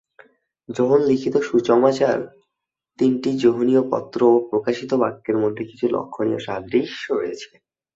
যোহন লিখিত সুসমাচার, তিনটি যোহনীয় পত্র ও প্রকাশিত বাক্যের মধ্যে কিছু লক্ষণীয় সাদৃশ্য রয়েছে।